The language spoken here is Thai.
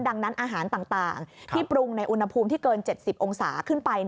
ดังนั้นอาหารต่างที่ปรุงในอุณหภูมิที่เกิน๗๐องศาขึ้นไป